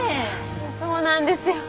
そうなんですよ。